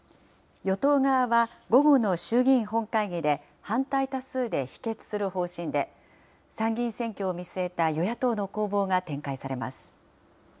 与党側は午後の衆議院本会議で、反対多数で否決する方針で、参議院選挙を見据えた与野党の攻防が展開されます。